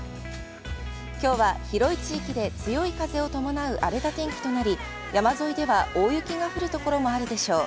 きょうは広い地域で、強い風を伴う、荒れた天気となり、山沿いでは、大雪が降るところもあるでしょう。